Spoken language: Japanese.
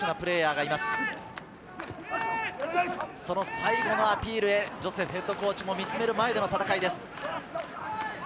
最後のアピールへ、ジョセフＨＣも見つめる中での戦いです。